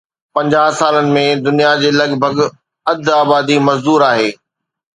پنجاهه سالن ۾ دنيا جي لڳ ڀڳ اڌ آبادي مزدور آهي